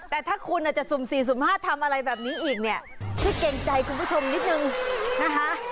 แต่ถ้าคุณอาจจะสุ่ม๔สุ่ม๕ทำอะไรแบบนี้อีกเนี่ยช่วยเกรงใจคุณผู้ชมนิดนึงนะคะ